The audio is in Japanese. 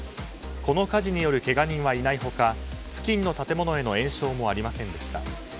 この火事によるけが人はいない他付近の建物への延焼もありませんでした。